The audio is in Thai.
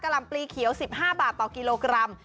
ลำปลีเขียว๑๕บาทต่อกิโลกรัม